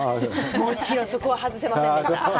もちろん、そこは外せませんでした！